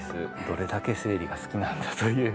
どれだけ整理が好きなんだという。